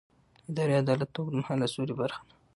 اداري عدالت د اوږدمهاله سولې برخه ده